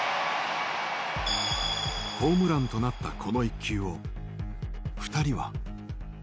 ホームランとなったこの一球を２人は。